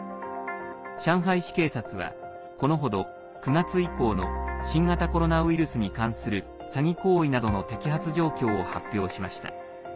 上海市警察はこのほど９月以降の新型コロナウイルスに関する詐欺行為などの摘発状況を発表しました。